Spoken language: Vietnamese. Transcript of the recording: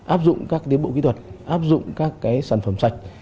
áp dụng các tiến bộ kỹ thuật áp dụng các sản phẩm sạch